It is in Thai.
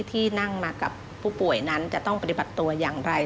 ที่นั่งมากับผู้ป่วยนั้นจะต้องปฏิบัติตัวอย่างไร